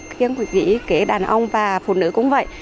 kiên quyết nghĩ kể đàn ông và phụ nữ cũng vậy